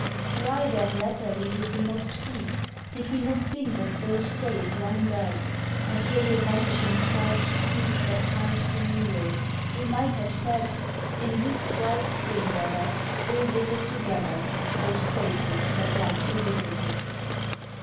Why, then, latterly did we not speak, Did we not think of those days long dead, And ere your vanishing strive to seek That time's renewal? We might have said, "In this bright spring weather We'll visit together Those places that once we visited."